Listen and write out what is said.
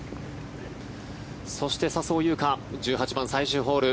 そして、笹生優花１８番、最終ホール。